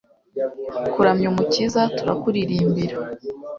kuramya umukiza, turakuririmbira